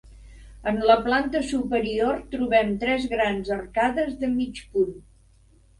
En la planta superior trobem tres grans arcades de mig punt.